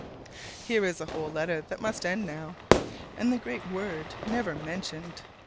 Here is a whole letter that must end now, and the great Word never mentioned!